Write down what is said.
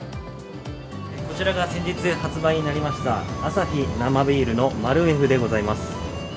こちらが先日発売になりました、アサヒ生ビールのマルエフでございます。